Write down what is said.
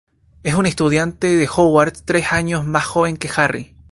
Es un estudiante de Hogwarts tres años más joven que Harry.